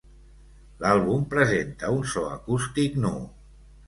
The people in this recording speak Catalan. L'àlbum presenta un so acústic nu.